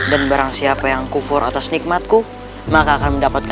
dan barang siapa yang kufur atas nikmatku maka akan kufur atas nikmatku